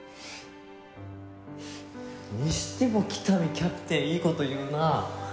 にしても喜多見キャプテンいい事言うなあ。